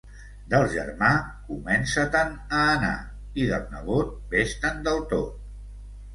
Del germà, comença-te'n a anar; i del nebot, ves-te'n del tot.